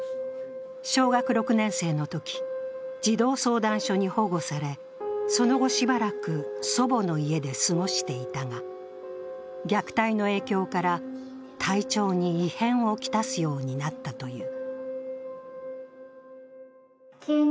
小学６年生のとき、児童相談所に保護され、その後、しばらく祖母の家で過ごしていたが、虐待の影響から体調に異変を来すようになったという。